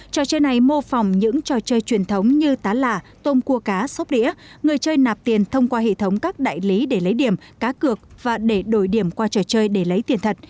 trò chơi này mô phòng những trò chơi truyền thống như tá lạ tôm cua cá xốp đĩa người chơi nạp tiền thông qua hệ thống các đại lý để lấy điểm cá cược và để đổi điểm qua trò chơi để lấy tiền thật